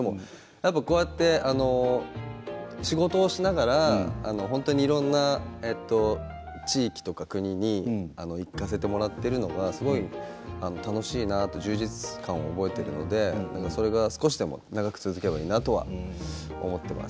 やっぱりこうやって仕事をしながら本当にいろんな地域とか国に行かせてもらっているのはすごい楽しいなと充実感を覚えてるのでそれが少しでも長く続けばいいなとは思っています。